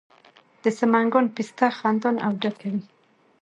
د سمنګان پسته خندان او ډکه وي.